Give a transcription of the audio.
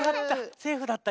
セーフだった？